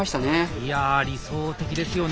いや理想的ですよね！